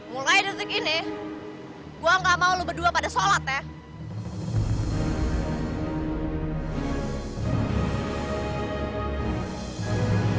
mulai detik ini gue gak mau lu berdua pada sholat ya